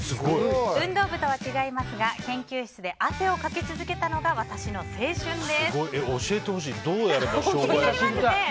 運動部とは違いますが研究室で汗をかき続けたのが教えてほしい。